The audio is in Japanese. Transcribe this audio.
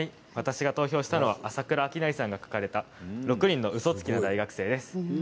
私が投票したのは浅倉秋成さんが書かれた「六人の嘘つきな大学生」です。